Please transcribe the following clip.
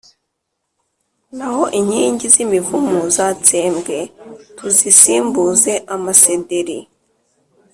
naho inkingi z’imivumu zatsembwe, tuzisimbuze amasederi.»